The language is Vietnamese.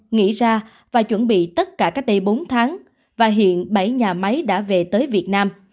nghĩ ra và chuẩn bị tất cả cách đây bốn tháng và hiện bảy nhà máy đã về tới việt nam